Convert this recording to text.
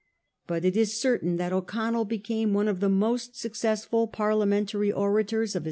But it is certain that O'Connell became one of the most successful Parliamentary orators of 1843.